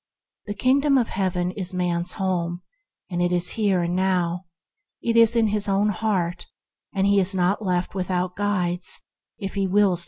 The King dom of Heaven is man's Home; it is here and now, it is in his own heart, and he is not left without Guides, if he wills to find it.